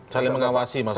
saling mengawasi maksudnya